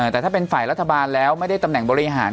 แต่ถ้าเป็นฝ่ายรัฐบาลแล้วไม่ได้ตำแหน่งบริหาร